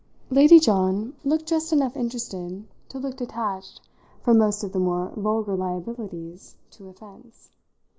Lady John looked just enough interested to look detached from most of the more vulgar liabilities to offence.